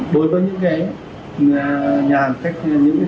đối với những nhà hàng những khách sạn và vận động viên lưu trú